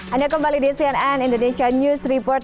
anda kembali di cnn indonesia news report